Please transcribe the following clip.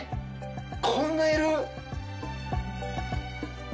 こんないる？